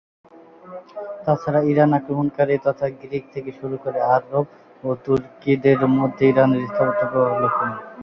তাছাড়া ইরান আক্রমণকারী তথা গ্রিক থেকে শুরু করে আরব ও তুর্কিদের মধ্যে ইরানের স্থাপত্যের প্রভাব লক্ষ্যণীয়।